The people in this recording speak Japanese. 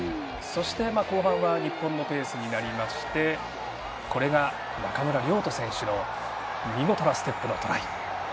そして、後半は日本のペースになりまして中村亮土選手の見事なステップからのトライ。